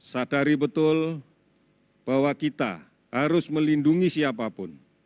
sadari betul bahwa kita harus melindungi siapapun